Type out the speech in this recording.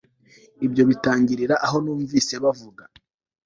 Ibyo bitangirira aho Numvise bavuga